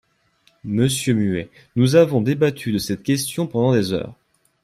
Monsieur Muet, nous avons débattu de cette question pendant des heures.